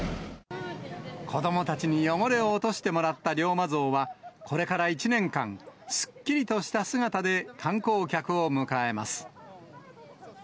子どもたちに汚れを落としてもらった龍馬像は、これから１年間、すっきりとした姿で観光客を迎えます。